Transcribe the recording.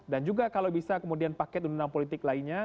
dan juga kalau bisa kemudian paket undang undang politik lainnya